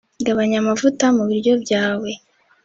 Gabanya amavuta mu biryo byawe